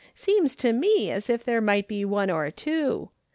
Seems to me as if there might be one or two.